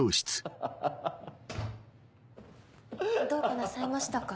どうかなさいましたか？